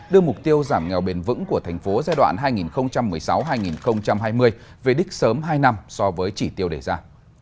đưa mục tiêu giảm nghèo bền vững của thành phố giai đoạn hai nghìn một mươi sáu hai nghìn hai mươi về đích sớm hai năm so với chỉ tiêu đề ra